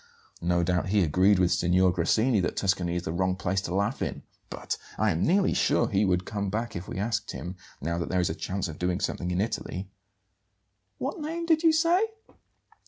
No doubt he agreed with Signor Grassini that Tuscany is the wrong place to laugh in. But I am nearly sure he would come back if we asked him, now that there is a chance of doing something in Italy." "What name did you say?"